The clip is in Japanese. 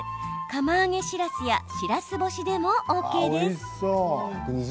釜揚げしらすやしらす干しでもＯＫ。